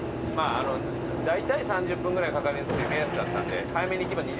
だいたい３０分ぐらいかかるっていう目安だったんで。